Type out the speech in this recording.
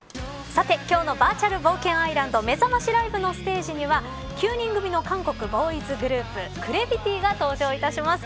さて、今日のバーチャル冒険アイランドめざましライブのステージには９人組の韓国ボーイズグループＣＲＡＶＩＴＹが登場します。